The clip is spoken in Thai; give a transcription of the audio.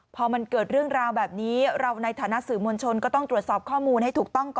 พอมันเกิดเรื่องราวแบบนี้เราในฐานะสื่อมวลชนก็ต้องตรวจสอบข้อมูลให้ถูกต้องก่อน